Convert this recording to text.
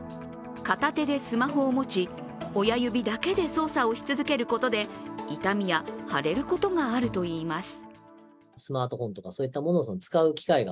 片手でスマホを持ち、親指だけで操作をし続けることで痛みや腫れることがあるといいます。